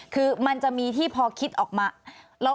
คือมันจะมีที่พอคิดออกมา